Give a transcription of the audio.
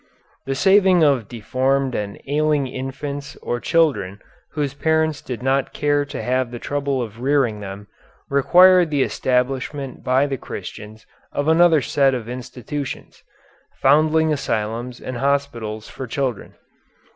The saving of deformed and ailing infants or children whose parents did not care to have the trouble of rearing them, required the establishment by the Christians of another set of institutions, Foundling Asylums and Hospitals for Children.